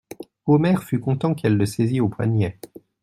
Omer fut content qu'elle le saisît au poignet.